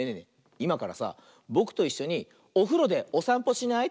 いまからさぼくといっしょにおふろでおさんぽしない？